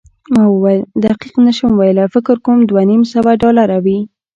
ما وویل، دقیق نه شم ویلای، فکر کوم دوه نیم سوه ډالره وي.